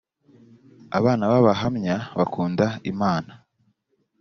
abana b ‘abahamya bakunda imana.